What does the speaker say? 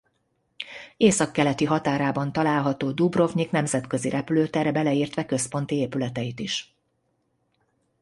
Északkeleti határában található Dubrovnik nemzetközi repülőtere beleértve központi épületeit is.